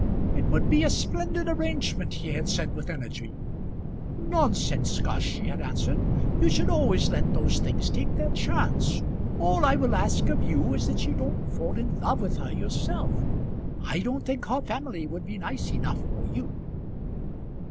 "It would be a splendid arrangement," he had said with energy. "Nonsense, Gus," she had answered. "You should always let those things take their chance. All I will ask of you is that you don't fall in love with her yourself; I don't think her family would be nice enough for you."